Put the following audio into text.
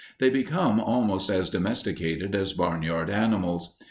They become almost as domesticated as barn yard animals.